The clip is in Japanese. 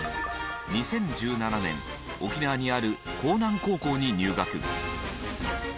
２０１７年沖縄にある興南高校に入学。